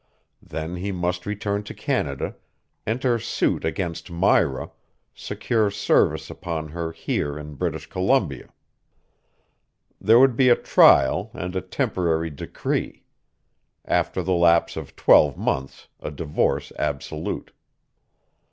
Then he must return to Canada, enter suit against Myra, secure service upon her here in British Columbia. There would be a trial and a temporary decree; after the lapse of twelve months a divorce absolute.